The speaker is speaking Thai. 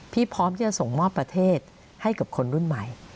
พร้อมที่จะส่งมอบประเทศให้กับคนรุ่นใหม่